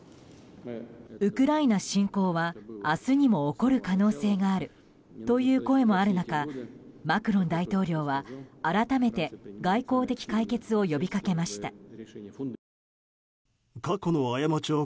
ウクライナ侵攻は明日にも起こる可能性があるという声もある中マクロン大統領は、改めて外交的解決を呼びかけました。